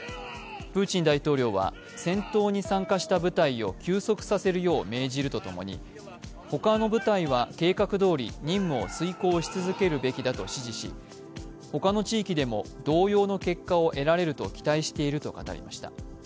プーチン大統領は戦闘に参加した部隊を休息させるよう命じるとともに他の部隊は計画どおり任務を遂行し続けるべきだと指示し、他の地域でも同様の結果を得られると期待していると語りました。